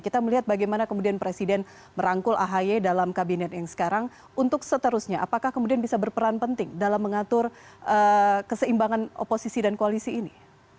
kita melihat bagaimana kemudian presiden merangkul ahy dalam kabinet yang sekarang untuk seterusnya apakah kemudian bisa berperan penting dalam mengatur keseimbangan oposisi dan koalisi ini